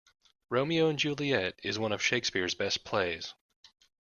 Romeo and Juliet is one of Shakespeare’s best plays